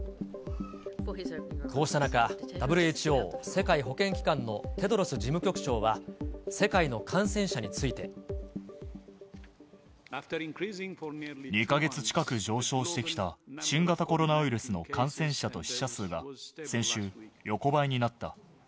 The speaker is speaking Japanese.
こうした中、ＷＨＯ・世界保健機関のテドロス事務局長は世界の感染者について。２か月近く上昇してきた新型コロナウイルスの感染者と死者数が先週、横ばいになった。